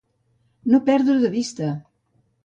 No perdre de vista.